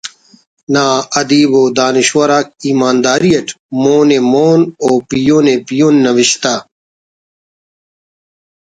نا ادیب و دانشور آک ایمانداری اٹ مؤن ءِ مؤن و پیہن ءِ پیہن نوشتہ